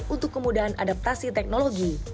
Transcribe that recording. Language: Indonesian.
untuk kemudahan adaptasi teknologi